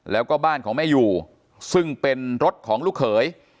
แล้วก็บ้านของแม่อยู่ซึ่งเป็นรถของลูกเขย